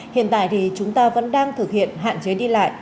hiện tại thì chúng ta vẫn đang thực hiện hạn chế đi lại